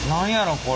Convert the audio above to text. これ。